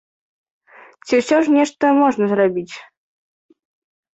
Ці ўсё ж нешта можна зрабіць?